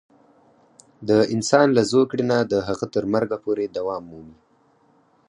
د انسان له زوکړې نه د هغه تر مرګه پورې دوام مومي.